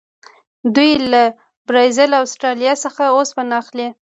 دوی له برازیل او اسټرالیا څخه اوسپنه اخلي.